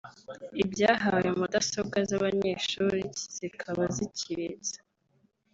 ibyahawe mudasobwa z’abanyeshuri zikaba zikibitse